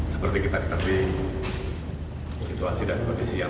saya mengundurkan diri dengan harapan agar akselerasi